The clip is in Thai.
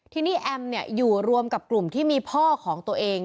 ทีนี้แอมอยู่รวมกับกลุ่มที่มีพ่อของตัวเอง